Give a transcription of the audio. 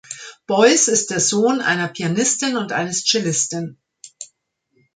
Boyce ist der Sohn einer Pianistin und eines Cellisten.